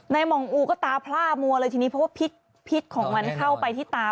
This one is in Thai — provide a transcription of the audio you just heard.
หม่องอูก็ตาพล่ามัวเลยทีนี้เพราะว่าพิษของมันเข้าไปที่ตา